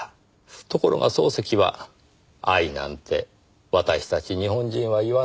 ところが漱石は「愛なんて私たち日本人は言わないだろう」